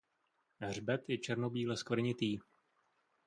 Hřbet je černobíle skvrnitý.